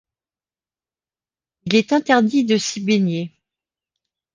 Il est interdit de s'y baigner.